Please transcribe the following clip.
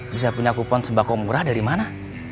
bisa punya kupon sembako murah dari mana